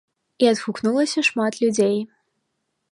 І адгукнулася шмат людзей.